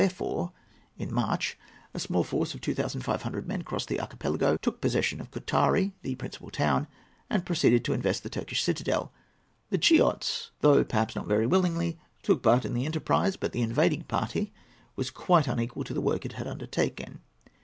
Therefore, in March, a small force of two thousand five hundred men crossed the archipelago, took possession of Koutari, the principal town, and proceeded to invest the Turkish citadel. The Chiots, though perhaps not very willingly, took part in the enterprise; but the invading party was quite unequal to the work it had undertaken.